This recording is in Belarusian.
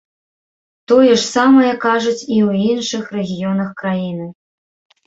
Тое ж самае кажуць і ў іншых рэгіёнах краіны.